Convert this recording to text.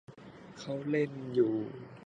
เขาเล่นหญิงลีแบบสวิงอยู่นะ